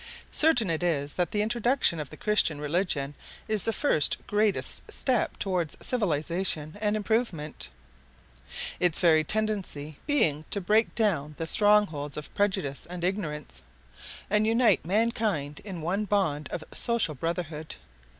Certain it is that the introduction of the Christian religion is the first greatest step towards civilization and improvement; its very tendency being to break down the strong holds of prejudice and ignorance, and unite mankind in one bond of social brotherhood.